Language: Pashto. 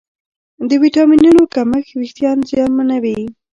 د ویټامینونو کمښت وېښتيان زیانمنوي.